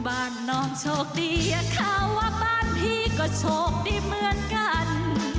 บ้านน้องโชคดีเขาว่าบ้านพี่ก็โชคดีเหมือนกัน